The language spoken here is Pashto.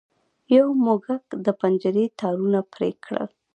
یو موږک د پنجرې تارونه پرې کړل.